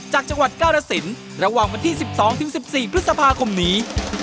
จากจังหวัดกรสินระหว่างวันที่๑๒๑๔พฤษภาคมนี้